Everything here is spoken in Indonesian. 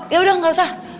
ya udah gak usah